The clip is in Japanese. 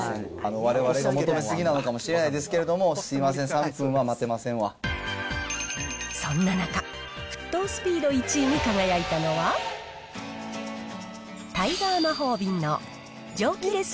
われわれが求めすぎなのかもしれないですけど、すみません、そんな中、沸騰スピード１位に輝いたのは、タイガー魔法瓶の蒸気レス